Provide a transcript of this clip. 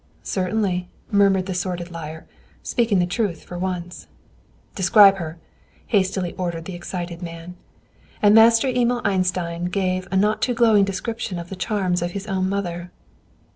"Certainly," murmured the sordid liar, speaking the truth for once. "Describe her," hastily ordered the excited man. And Master Emil Einstein gave a not too glowing description of the charms of his own mother.